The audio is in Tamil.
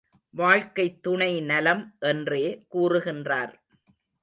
வாழ்க்கைத் துணைநலம் என்றே கூறுகின்றார்.